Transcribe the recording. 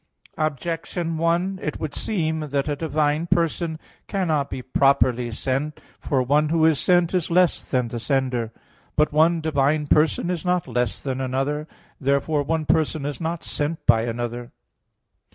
Objection 1: It would seem that a divine person cannot be properly sent. For one who is sent is less than the sender. But one divine person is not less than another. Therefore one person is not sent by another.